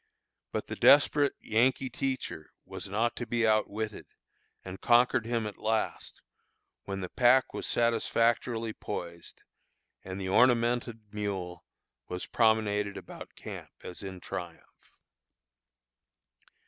But the desperate Yankee teacher was not to be outwitted, and conquered him at last, when the pack was satisfactorily poised, and the ornamented mule was promenaded about camp as in triumph.